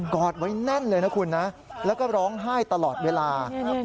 อดไว้แน่นเลยนะคุณนะแล้วก็ร้องไห้ตลอดเวลา